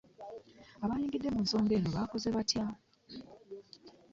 Abaanyigidde mu nsonga eno baakoze batya?